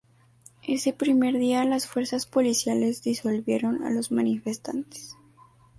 Ese primer día las fuerzas policiales disolvieron a los manifestantes.